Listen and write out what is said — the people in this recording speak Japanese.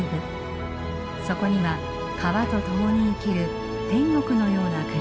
そこには川と共に生きる天国のような暮らしがあります。